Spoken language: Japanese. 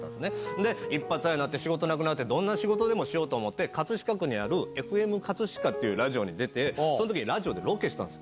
で、一発屋になって、仕事なくなって、どんな仕事でもしようと思って、葛飾区にあるＦＭかつしかっていうラジオに出て、そのときにラジオでロケしたんです。